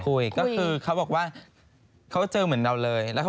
คุยก็คือเขาบอกว่าเขาเจอเหมือนเราเลยแล้วเขา